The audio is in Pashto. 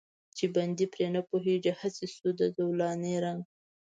چې بندي پرې نه پوهېږي، هسې شو د زولانې رنګ.